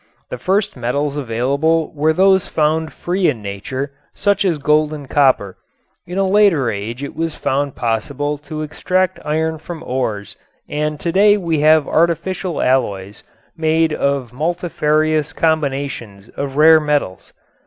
The first metals available were those found free in nature such as gold and copper. In a later age it was found possible to extract iron from its ores and today we have artificial alloys made of multifarious combinations of rare metals.